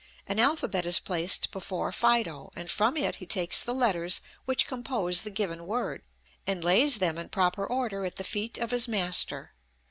An alphabet is placed before Fido, and from it he takes the letters which compose the given word, and lays them in proper order at the feet of his master.